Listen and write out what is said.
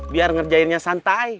biar ngerjainnya santai